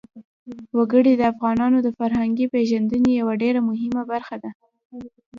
وګړي د افغانانو د فرهنګي پیژندنې یوه ډېره مهمه برخه ده.